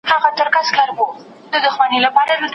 بوډۍ شېبې درته دروړم جانانه هېر مي نه کې